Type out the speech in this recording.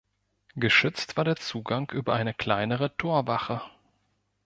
Geschützt war der Zugang über eine kleinere Torwache.